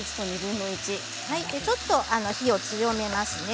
ちょっと火を強めますね。